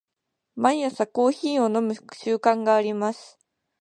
毎朝コーヒーを飲む習慣があります。